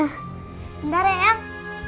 sebentar ya yang